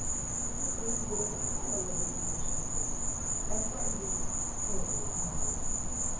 The good lady would have annihilated me if she could; and threatened me with terrible reprisals.